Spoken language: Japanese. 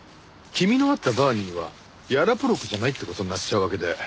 君の会ったバーニーはヤロポロクじゃないって事になっちゃうわけで。